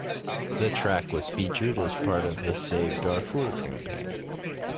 The track was featured as part of the Save Darfur Campaign.